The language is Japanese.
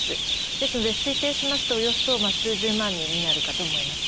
ですので推定しますとおよそ数十万人になるかと思います。